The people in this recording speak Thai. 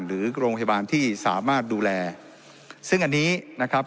หรือโรงพยาบาลที่สามารถดูแลซึ่งอันนี้นะครับ